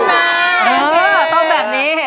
เออต้องแบบนี้